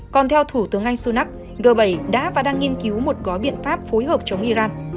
còn theo thủ tướng anh sunak g bảy đã và đang nghiên cứu một gói biện pháp phối hợp chống iran